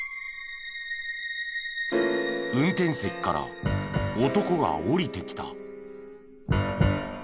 運転席から男が降りてきた。